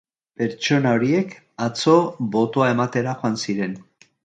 Pertsona horiek atzo botoa ematera joan ziren.